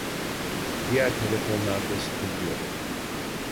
Diğer telefonlarda sıkıntı yok